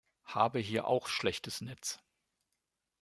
Habe hier auch schlechtes Netz.